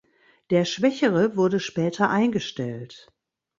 Der schwächere wurde später eingestellt.